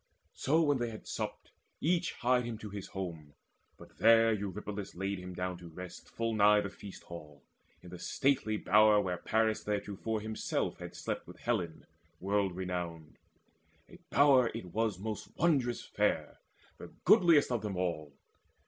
So when they had supped, each hied him to his home; But there Eurypylus laid him down to rest Full nigh the feast hall, in the stately bower Where Paris theretofore himself had slept With Helen world renowned. A bower it was Most wondrous fair, the goodliest of them all.